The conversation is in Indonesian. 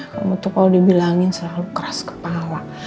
kamu tuh kalau dibilangin selalu keras kepala